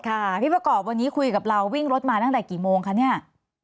ค่ะพี่ประกอบวันนี้คุยกับเราวิ่งรถมาตั้งแต่กี่โมงคะเนี่ย